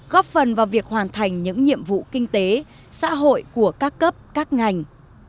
góp phần vào việc hoàn thành những nhiệm vụ kinh tế xã hội của các cấp các ngành